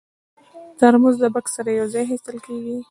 ترموز د بکس سره یو ځای اخیستل کېږي.